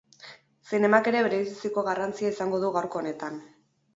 Zinemak ere berebiziko garrantzia izango du gaurko honetan.